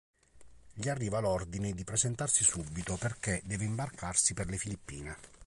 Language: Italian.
Gli arriva l'ordine di presentarsi subito perché deve imbarcarsi per le Filippine.